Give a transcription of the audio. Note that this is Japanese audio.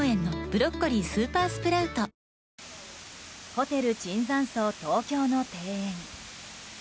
ホテル椿山荘東京の庭園。